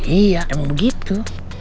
iya emang begitu